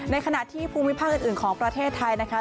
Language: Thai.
ขณะที่ภูมิภาคอื่นของประเทศไทยนะคะ